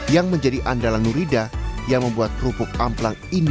yang menjadi andalan nurida yang membuat kerupuk amplang ini